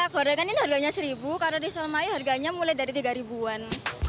gorengan ini harganya seribu karena risole mayo harganya mulai dari tiga ribu an